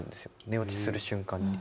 寝落ちする瞬間に。